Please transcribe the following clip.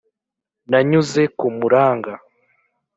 Nanyuze ku muranga ,